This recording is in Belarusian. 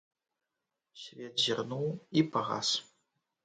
Свет зірнуў і пагас.